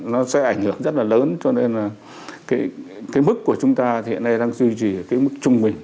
nó sẽ ảnh hưởng rất là lớn cho nên là cái mức của chúng ta hiện nay đang duy trì ở cái mức trung bình